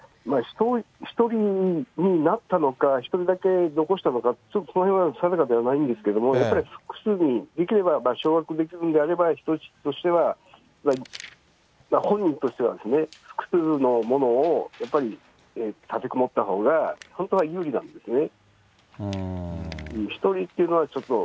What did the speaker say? １人になったのか、１人だけ残したのか、ちょっとそのへんは定かじゃないんですけども、やっぱり複数人、できれば掌握できるんであれば、人質としては、本人としてはですね、複数の者をやっぱり立てこもったほうが、本当は有利なんですよね。